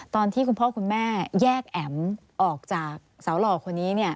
ตอนที่คุณพ่อคุณแม่แยกแอ๋มออกจากสาวหล่อคนนี้